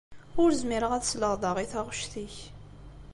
Ur zmireɣ ad sleɣ daɣ i taɣect-ik.